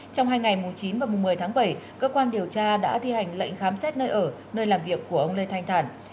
trong hai ngày chín và một mươi tháng bảy cơ quan điều tra đã thi hành lệnh khám xét nơi ở nơi làm việc của ông lê thanh thản